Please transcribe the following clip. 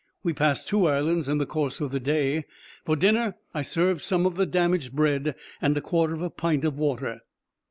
We passed two islands in the course of the day. For dinner I served some of the damaged bread, and a quarter of a pint of water.